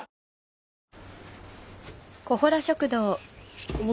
ちょっと。